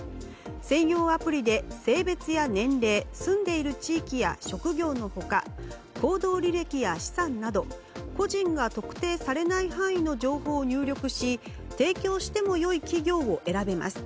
専用アプリで性別や年齢住んでいる地域や職業の他、行動履歴や資産など個人が特定されない範囲の情報を入力し提供しても良い企業を選びます。